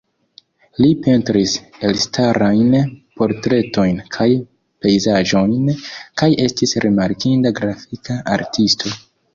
Li pentris elstarajn portretojn kaj pejzaĝojn kaj estis rimarkinda grafika artisto.